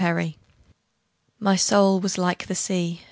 THE MOON My soul was like the sea.